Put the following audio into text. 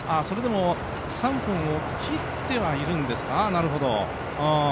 それでも、３分を切ってはいるんですか、なるほど。